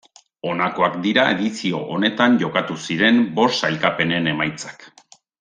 Honakoak dira edizio honetan jokatu ziren bost sailkapenen emaitzak.